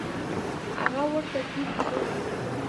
هغه ورته ټيټ سو.